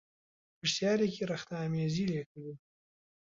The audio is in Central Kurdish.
پرسیارێکی ڕخنەئامێزی لێ کردم